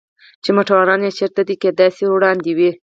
چې موټروانان یې چېرې دي؟ کېدای شي وړاندې وي.